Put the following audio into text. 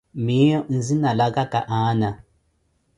Miiyo nzina laka ka Ana.